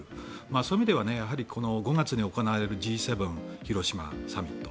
そういう意味ではこの５月に行われるＧ７広島サミット。